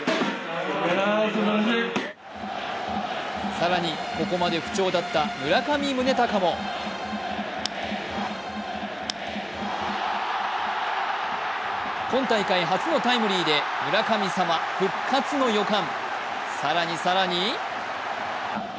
更に、ここまで不調だった村上宗隆も今大会初のタイムリーで村神様復活の予感。